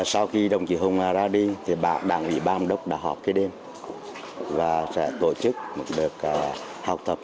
sau khi đồng chí hùng ra đi thì đảng ủy ban ông đốc đã họp cái đêm và sẽ tổ chức một việc học tập